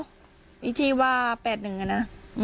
วิธีว่า๘๑นะ